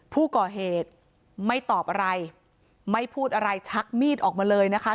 ผู้ก่อเหตุไม่ตอบอะไรไม่พูดอะไรชักมีดออกมาเลยนะคะ